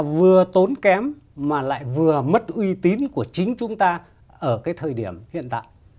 vừa tốn kém mà lại vừa mất uy tín của chính chúng ta ở cái thời điểm hiện tại